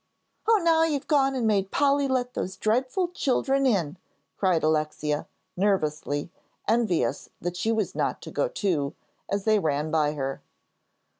"Oh, now you've gone and made Polly let those dreadful children in," cried Alexia, nervously, envious that she was not to go too, as they ran by her.